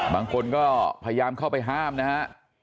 บางคนก็พยายามเข้าไปห้ามนะฮะ